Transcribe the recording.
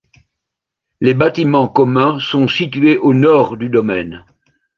Les bâtiments communs sont situés au nord du domaine.